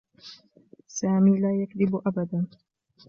سامي لا يكذب أبدا.